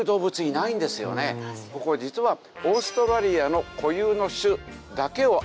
ここ実はオーストラリアの固有の種だけを集めているんですね。